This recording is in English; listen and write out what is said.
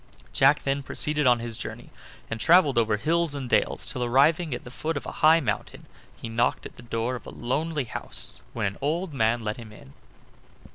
Jack then proceeded on his journey, and traveled over hills and dales, till arriving at the foot of a high mountain he knocked at the door of a lonely house, when an old man let him in.